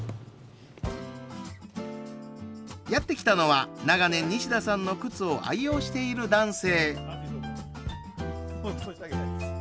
やってきたのは長年西田さんの靴を愛用している男性。